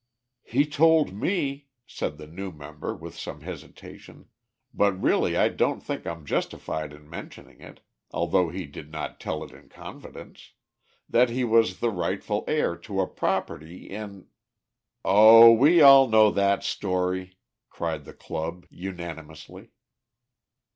"He told me," said the new member, with some hesitation "but really I don't think I'm justified in mentioning it, although he did not tell it in confidence that he was the rightful heir to a property in " "Oh, we all know that story!" cried the Club, unanimously.